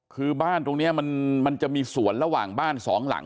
คือบ้านตรงนี้มันจะมีสวนระหว่างบ้านสองหลัง